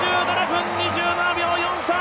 ２７分２７秒４３。